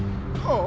ああ。